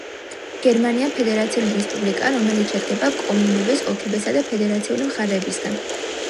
გერმანია ფედერაციული რესპუბლიკაა, რომელიც შედგება კომუნების, ოლქებისა და ფედერაციული მხარეებისგან.